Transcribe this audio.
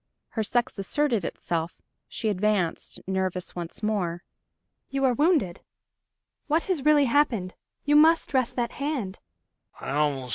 Her sex asserted itself; she advanced, nervous once more. "You are wounded? What has really happened? You must dress that hand